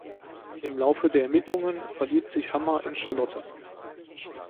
Im Laufe der Ermittlungen verliebt sich Hammer in Charlotte.